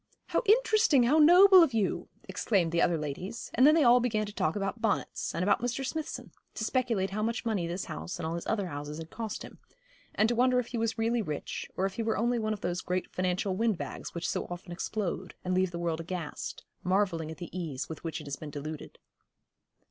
'How interesting, how noble of you,' exclaimed the other ladies; and then they began to talk about bonnets, and about Mr. Smithson, to speculate how much money this house and all his other houses had cost him, and to wonder if he was really rich, or if he were only one of those great financial windbags which so often explode and leave the world aghast, marvelling at the ease with which it has been deluded.